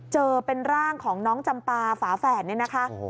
เจอเป็นร่างของน้องจำปาฝาแฝดนี่นะคะ